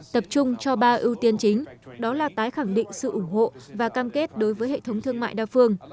tập trung cho ba ưu tiên chính đó là tái khẳng định sự ủng hộ và cam kết đối với hệ thống thương mại đa phương